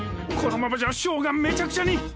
このままじゃショーがめちゃくちゃに！